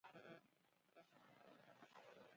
Kfi'ìfòyn sa' nsa'sisɨ̀ a sɨ kum kom ijɨ̀m.